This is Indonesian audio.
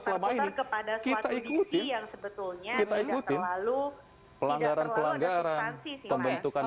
selama ini kepada kita ikuti yang sebetulnya kita ikuti lalu pelanggaran pelanggaran pembentukan